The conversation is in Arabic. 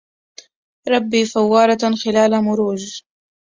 رب فوارة خلال مروج